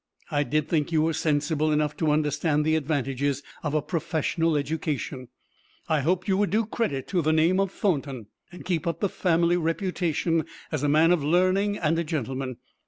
I did think you were sensible enough to understand the advantages of a professional education. I hoped you would do credit to the name of Thornton, and keep up the family reputation as a man of learning and a gentleman.